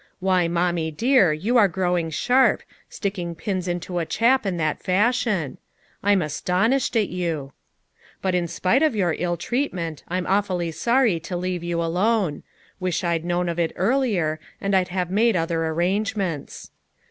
Why, Mommie dear, you are growing sharp, sticking pins into a chap in that fashion; I'm astonished at you ! "But in spite of your ill treatment I'm aw fully sorry to leave you alone; wish I'd known of it earlier and I'd have made other arrange ments."